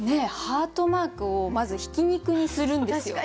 ハートマークをまず挽き肉にするんですよ。